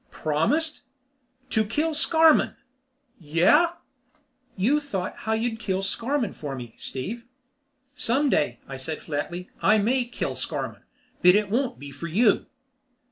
"Promised?" "To kill Scarmann." "Yeah?" "You thought how you'd kill Scarmann for me, Steve." "Someday," I said flatly, "I may kill Scarmann, but it won't be for you!"